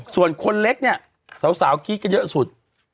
ส่วนคนเล็กเนี่ยสาวกรี๊ดกันเยอะสุด